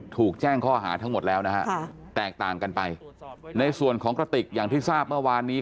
ถูกแจ้งข้อหาทั้งหมดแล้วนะฮะแตกต่างกันไปในส่วนของกระติกอย่างที่ทราบเมื่อวานนี้